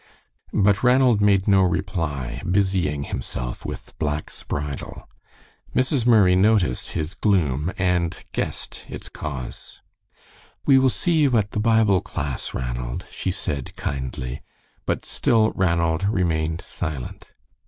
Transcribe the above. But Ranald made no reply, busying himself with Black's bridle. Mrs. Murray noticed his gloom and guessed its cause. "We will see you at the Bible class, Ranald," she said, kindly, but still Ranald remained silent.